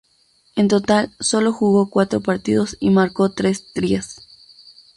En total solo jugó cuatro partidos y marcó tres tries.